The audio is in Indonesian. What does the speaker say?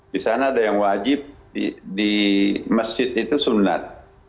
di sana ada yang wajib di masjid itu sunat